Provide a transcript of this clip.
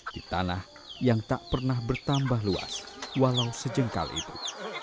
di tanah yang tak pernah bertambah luas walau sejengkal itu